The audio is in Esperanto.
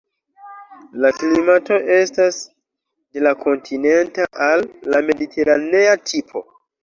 La klimato estas de la kontinenta al la mediteranea tipo.